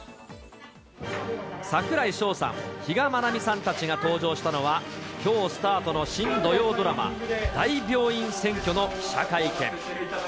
櫻井翔さん、比嘉愛未さんたちが登場したのは、きょうスタートの新土曜ドラマ、大病院占拠の記者会見。